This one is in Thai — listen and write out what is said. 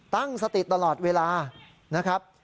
ตั้งสติตลอดเวลานะครับ